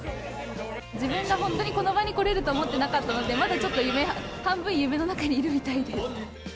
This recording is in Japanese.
自分が本当にこの場に来れると思ってなかったので、まだちょっと半分夢の中にいるみたいです。